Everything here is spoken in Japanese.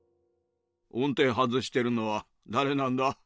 音てい外してるのはだれなんだ？